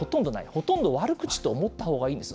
ほとんど悪口と思ったほうがいいんです。